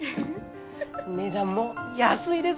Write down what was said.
値段も安いですよ！